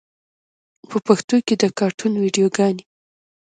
په پښتو کې د کاټون ویډیوګانې